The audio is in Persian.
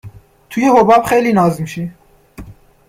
توی حباب خیلی ناز میشی